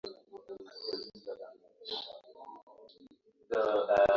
Ni zaidi ya miaka mitatu tangu Kenya ilipopiga marufuku matumizi ya baadhi ya mifuko